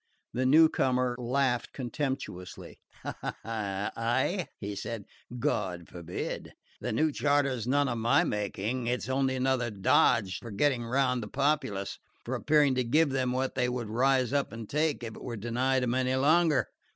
The new comer laughed contemptuously. "I?" he said. "God forbid! The new charter's none of my making. It's only another dodge for getting round the populace for appearing to give them what they would rise up and take if it were denied them any longer."